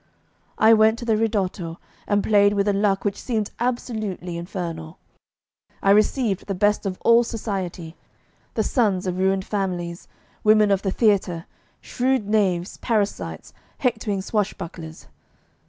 I went to the Ridotto, and played with a luck which seemed absolutely infernal. I received the best of all society the sons of ruined families, women of the theatre, shrewd knaves, parasites, hectoring swashbucklers.